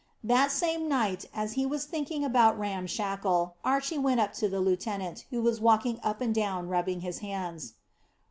That same night, as he was thinking about Ram Shackle, Archy went up to the lieutenant, who was walking up and down rubbing his hands.